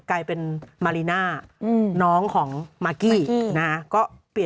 กลายเป็นมารีน่าน้องของมากกี้นะฮะ